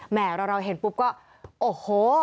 เราเห็นปุ๊บก็โอ้โห